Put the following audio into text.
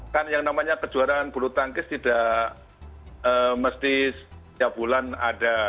kan yang namanya kejuaraan bulu tangkis tidak mesti setiap bulan ada